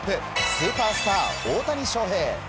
スーパースター大谷翔平。